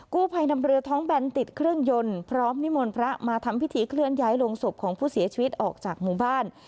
กู้ภัยนำเรือท้องแบนติดเครื่องยนต์พร้อมนิมนต์พระมาทำพิธีเคลื่อนย้ายลงศพของผู้เสียชีวิตออกจากหมู่บ้าน